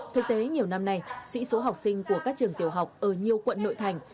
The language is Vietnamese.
thực tế nhiều năm nay sĩ số học sinh của các trường tiểu học ở nhiều quận nội thành